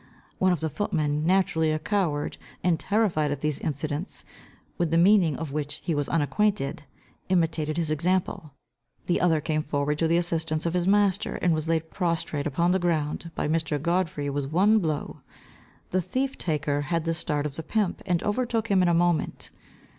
One of the footmen, naturally a coward, and terrified at these incidents, with the meaning of which he was unacquainted, imitated his example. The other came forward to the assistance of his master, and was laid prostrate upon the ground, by Mr. Godfrey with one blow. The thief taker had the start of the pimp, and overtook him in a moment.